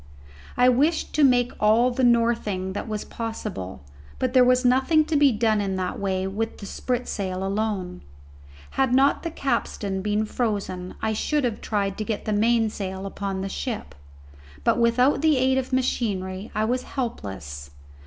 I wished to make all the northing that was possible, but there was nothing to be done in that way with the spritsail alone. Had not the capstan been frozen I should have tried to get the mainsail upon the ship, but without the aid of machinery I was helpless.